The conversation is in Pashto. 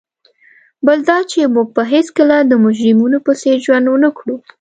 بل دا چي موږ به هیڅکله د مجرمینو په څېر ژوند ونه کړو.